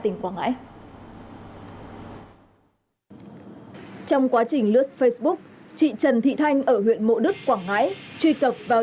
đây trong quá trình lướt facebook chị trần thị thanh ở huyện mộ đức quảng ngãi truy cập vào